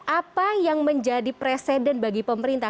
apa yang menjadi presiden bagi pemerintah